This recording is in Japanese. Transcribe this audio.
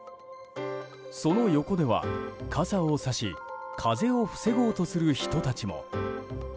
その横では傘をさし風を防ごうとする人たちも。